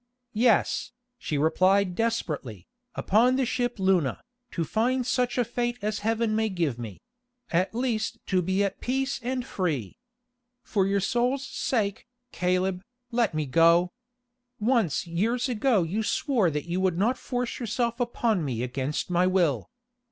"Yes," she replied desperately, "upon the ship Luna, to find such a fate as Heaven may give me; at least to be at peace and free. For your soul's sake, Caleb, let me go. Once years ago you swore that you would not force yourself upon me against my will.